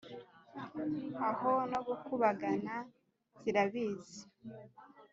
Aho no gukubagana zirabizi!